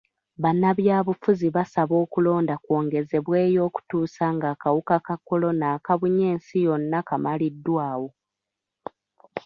Bannabyabufuzi basaba okulonda kwongezebweyo okutuusa nga akawuka ka kolona akabunye ensi yonna kamaliddwawo.